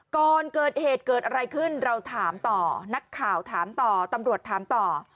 ก่อนเกิดเหตุเกิดอะไรขึ้นเราถามต่อนักข่าวถามต่อตำรวจถามต่อ